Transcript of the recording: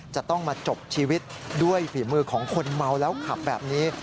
จะต้องมาจบชีวิตด้วยฝีมือของคนเมาแล้วขับแบบนี้